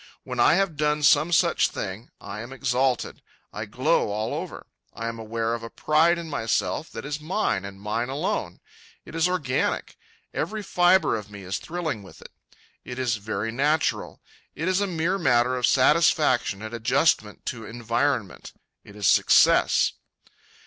When I have done some such thing, I am exalted. I glow all over. I am aware of a pride in myself that is mine, and mine alone. It is organic. Every fibre of me is thrilling with it. It is very natural. It is a mere matter of satisfaction at adjustment to environment. It is success.